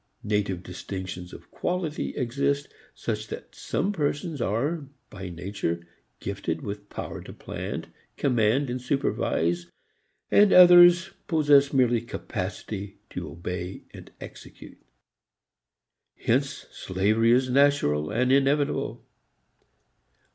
Native distinctions of quality exist such that some persons are by nature gifted with power to plan, command and supervise, and others possess merely capacity to obey and execute. Hence slavery is natural and inevitable.